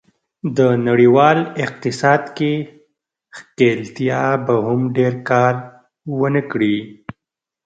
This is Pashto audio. د نړیوال اقتصاد کې ښکېلتیا به هم ډېر کار و نه کړي.